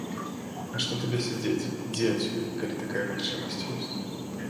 Нашто табе сядзець, ідзі адсюль, калі такая магчымасць ёсць.